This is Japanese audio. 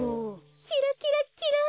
キラキラキラン！